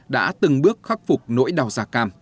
đã từng bước khắc phục nỗi đau gia cam